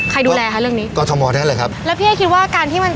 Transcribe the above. ใครดูแลคะเรื่องนี้กรทมนั่นแหละครับแล้วพี่เอ๊คิดว่าการที่มัน